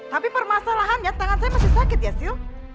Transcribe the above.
tapi permasalahannya tangan saya masih sakit ya sil